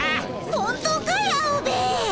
本当かいアオベエ。